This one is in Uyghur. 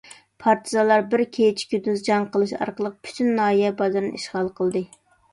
پارتىزانلار بىر كېچە-كۈندۈز جەڭ قىلىش ئارقىلىق، پۈتۈن ناھىيە بازىرىنى ئىشغال قىلدى.